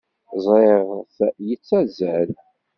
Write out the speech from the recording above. Ẓriɣ-t yettazzal.